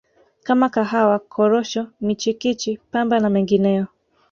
kama Kahawa Korosho michikichi Pamba na mengineyo